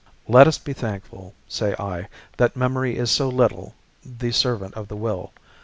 Let us be thankful, say I, that memory is so little the servant of the will.